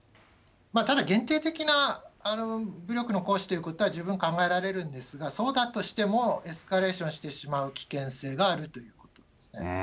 ただ、限定的な武力の行使ということは十分考えられるんですが、そうだとしても、エスカレーションしてしまう危険性があるということですね。